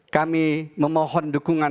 kami memohon dukungan